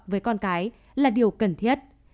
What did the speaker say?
với con cái là điều cần thiết